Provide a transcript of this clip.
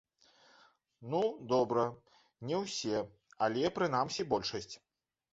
Ну, добра, не ўсе, але, прынамсі, большасць.